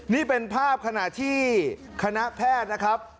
นี่เป็นภาพขณะที่คณะแพทย์นะครับ